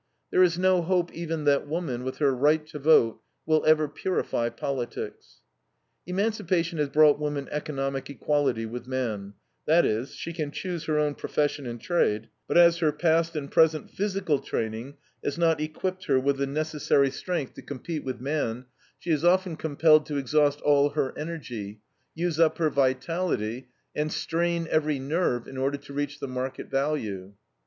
There is no hope even that woman, with her right to vote, will ever purify politics. Emancipation has brought woman economic equality with man; that is, she can choose her own profession and trade; but as her past and present physical training has not equipped her with the necessary strength to compete with man, she is often compelled to exhaust all her energy, use up her vitality, and strain every nerve in order to reach the market value.